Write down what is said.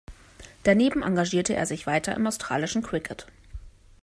Daneben engagierte er sich weiter im australischen Cricket.